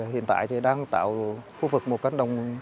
hiện tại thì đang tạo khu vực một cánh đồng